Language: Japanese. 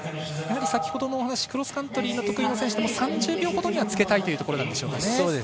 先ほどのお話クロスカントリーが得意な選手でも３０秒ほどにはつけたいというところなんでしょうか。